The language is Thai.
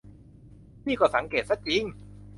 นี่ก็สังเกตซะจริง